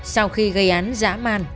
sau khi gây án dã man